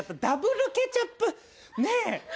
ダブルケチャップねえ！